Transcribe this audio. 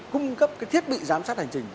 cung cấp cái thiết bị giám sát hành trình